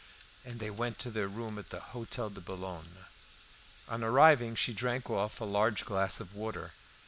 And they went to their room at the Hotel de Boulogne. On arriving she drank off a large glass of water.